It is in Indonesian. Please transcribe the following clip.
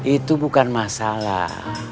itu bukan masalah